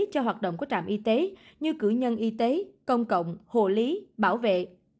cho hoạt động của trạm y tế như cử nhân y tế công cộng hồ lý bảo vệ